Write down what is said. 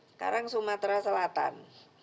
sekarang sumatera selatan